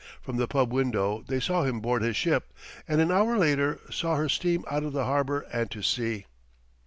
From the pub window they saw him board his ship, and an hour later saw her steam out of the harbor and to sea.